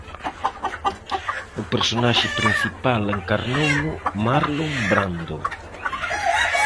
O personaxe principal encarnouno Marlon Brando.